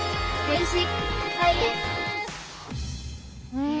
うん。